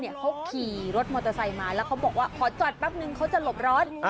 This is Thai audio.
เขาขี่รถมอเตอร์ไซค์มาแล้วเขาบอกว่าขอจอดแป๊บนึงเขาจะหลบร้อน